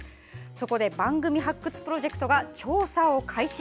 そこで「番組発掘プロジェクト」が調査を開始。